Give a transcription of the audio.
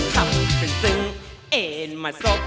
ทำเป็นซึ้งเอ่นมาสบ